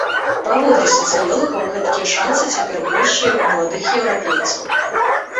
Паводле сацыёлагаў, гэткія шанцы цяпер большыя ў маладых еўрапейцаў.